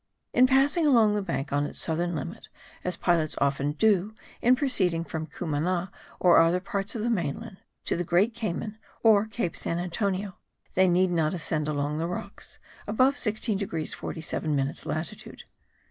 In passing along the bank on its southern limit, as pilots often do in proceeding from Cumana or other parts of the mainland, to the Great Caymnan or Cape San Antonio, they need not ascend along the rocks, above 16 degrees 47 minutes latitude.